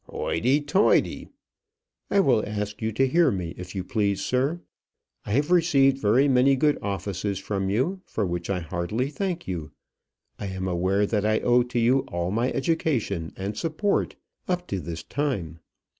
"Hoity, toity!" "I will ask you to hear me if you please, sir. I have received very many good offices from you, for which I heartily thank you. I am aware that I owe to you all my education and support up to this time.